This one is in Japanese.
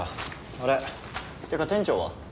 あれ？ってか店長は？